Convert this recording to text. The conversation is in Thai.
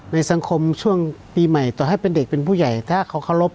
ในสังคมช่วงปีใหม่ต่อให้เป็นเด็กเป็นผู้ใหญ่ถ้าเขาเคารพ